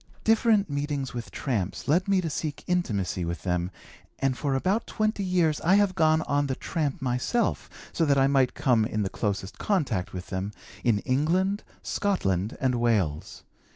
Different meetings with 'tramps' led me to seek intimacy with them and for about twenty years I have gone on the 'tramp' myself so that I might come in the closest contact with them, in England, Scotland, and Wales.